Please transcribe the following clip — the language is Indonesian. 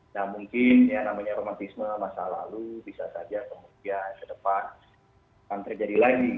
nah mungkin ya namanya romantisme masa lalu bisa saja kemudian ke depan akan terjadi lagi